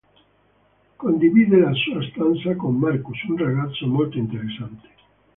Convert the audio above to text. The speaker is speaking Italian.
Condivide la sua stanza con Marcus, un ragazzo molto interessante.